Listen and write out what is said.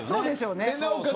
なおかつ